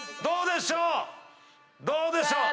どうでしょう？